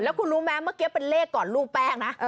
คุณรู้ไหมเมื่อกี้เป็นเลขก่อนรูปแป้งนะ